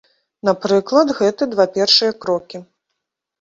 Напрыклад, гэты два першыя крокі.